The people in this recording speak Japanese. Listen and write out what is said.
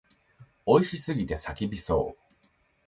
美味しすぎて叫びそう。